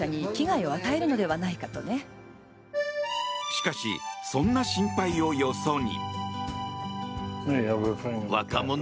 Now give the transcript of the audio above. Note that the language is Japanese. しかしそんな心配をよそに。